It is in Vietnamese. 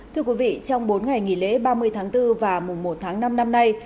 thưa quý vị trong bốn ngày nghỉ lễ ba mươi tháng bốn và mùa một tháng năm năm nay